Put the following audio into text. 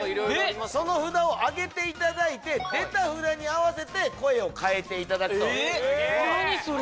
その札をあげていただいて出た札に合わせて声を変えていただくと何それ？